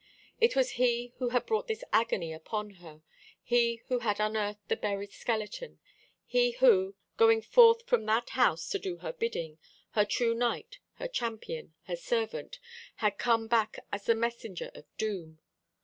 It was he who had brought this agony upon her, he who had unearthed the buried skeleton, he who, going forth from that house to do her bidding, her true knight, her champion, her servant, had come back as the messenger of doom.